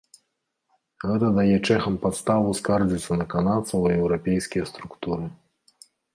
Гэта дае чэхам падставу скардзіцца на канадцаў у еўрапейскія структуры.